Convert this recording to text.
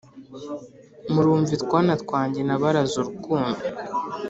Murumve twana twanjye nabaraze urukundo